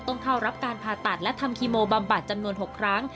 ต้องเข้ารับการผ่าตัดและทำคีโมบำบัดจำนวน๖ครั้ง